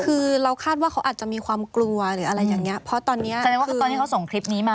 คือเราคาดว่าเขาอาจจะมีความกลัวหรืออะไรอย่างนี้